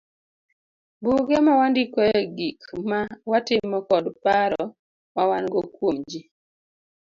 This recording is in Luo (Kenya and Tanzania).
Buge ma wandikoe gik ma watimo kod paro ma wan go kuom ji.